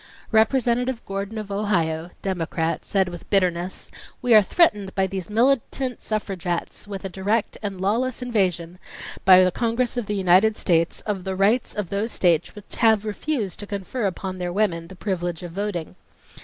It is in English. Representative Gordon of Ohio, Democrat, said with bitter ness : "We are threatened by these militant suffragettes with a direct and lawless invasion by the Congress of the United States of the rights of those States which have refused to confer upon their women the privilege of voting.